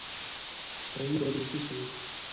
سيي ده، بېخي سيي ده!